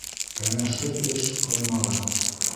Кәңәшһеҙ эш ҡылмағыҙ.